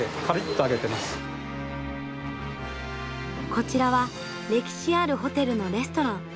こちらは歴史あるホテルのレストラン。